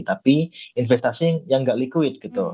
tapi investasi yang nggak liquid gitu